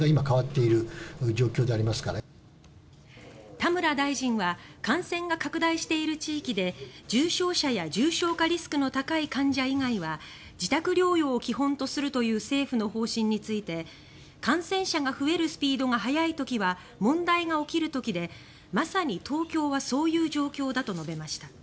田村大臣は感染が拡大している地域で重症者や重症化リスクの高い患者以外は自宅療養を基本とするという政府の方針について感染者が増えるスピードが速い時は問題が起きる時でまさに東京はそういう状況だと述べました。